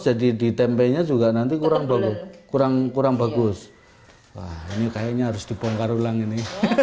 jadi di tempenya juga nanti kurang kurang bagus ini kayaknya harus dibongkar ulang ini